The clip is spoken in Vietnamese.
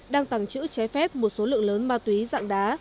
đang tàng trữ trái phép một số lượng lớn ma túy dạng đá